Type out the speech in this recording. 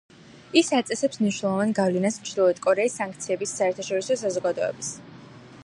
ის აწესებს მნიშვნელოვან გავლენას ჩრდილოეთ კორეის სანქციების საერთაშორისო საზოგადოების.